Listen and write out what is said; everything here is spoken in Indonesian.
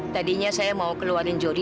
tadinya saya mau keluarin jori